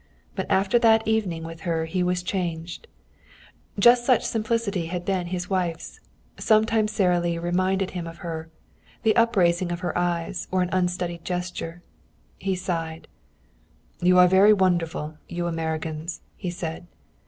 But after that evening with her he changed. Just such simplicity had been his wife's. Sometimes Sara Lee reminded him of her the upraising of her eyes or an unstudied gesture. He sighed. "You are very wonderful, you Americans," he said.